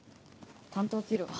担当切るわ。